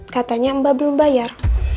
katanya mbak belum bayar